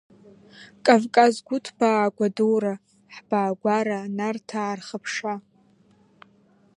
Кавказ гәыҭбаа агәадура, ҳбаагәара Нарҭаа рхыԥша!